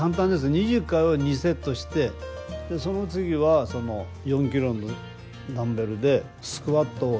２０回を２セットしてその次は４キロのダンベルでスクワットを２０回。